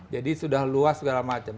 jadi sudah luas segala macam